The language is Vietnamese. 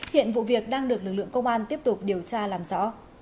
hiện vụ việc đang được lực lượng công an tiếp tục điều tra làm rõ